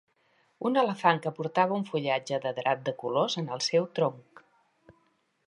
un elefant que portava un fullatge de drap de colors en el seu tronc.